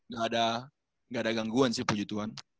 gak ada gangguan sih puji tuhan